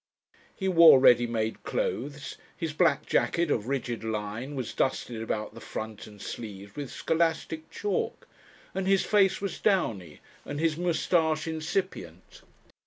He wore ready made clothes, his black jacket of rigid line was dusted about the front and sleeves with scholastic chalk, and his face was downy and his moustache incipient.